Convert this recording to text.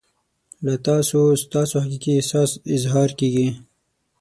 له تاسو ستاسو حقیقي احساس اظهار کیږي.